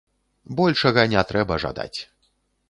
Большага не трэба жадаць.